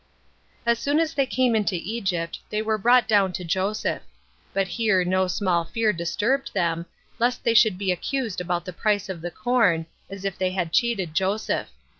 6. As soon as they came into Egypt, they were brought down to Joseph: but here no small fear disturbed them, lest they should be accused about the price of the corn, as if they had cheated Joseph.